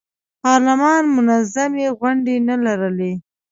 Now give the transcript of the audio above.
پارلمان منظمې غونډې نه لرلې.